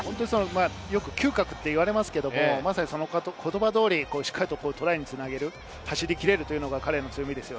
よく嗅覚と言われますが言葉通りしっかりトライに繋げる、走りきれるというのが彼の強みです。